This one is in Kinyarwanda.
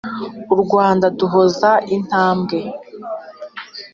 u rwanda nduhoza intambwe